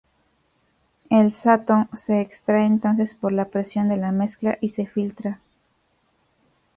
El "sato" se extrae entonces por la presión de la melaza y se filtra.